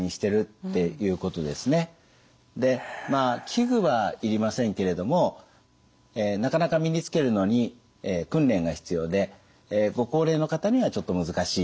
でまあ器具はいりませんけれどもなかなか身につけるのに訓練が必要でご高齢の方にはちょっと難しいかもしれません。